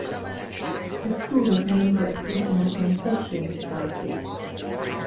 The school is a member of the International Thespian Society.